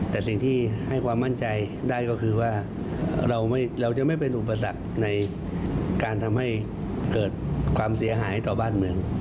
แต่สิ่งที่ให้ความมั่นใจได้ก็คือว่าเราจะไม่เป็นอุปสรรคในการทำให้เกิดความเสียหายต่อบ้านเมือง